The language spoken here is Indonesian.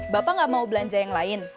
bapak nggak mau belanja yang lain